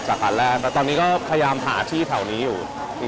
ขาแรกแล้วตอนนี้ก็พยายามหาที่แถวนี้อยู่